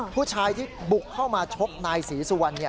ผู้ชายที่บุกเข้ามาชกนายศรีสุวรรณ